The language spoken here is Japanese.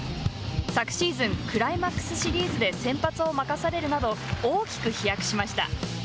昨シーズン、クライマックスシリーズで先発を任されるなど大きく飛躍しました。